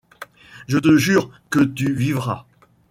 Je te jure que tu vivras.